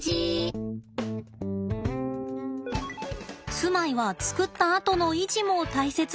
住まいは作ったあとの維持も大切。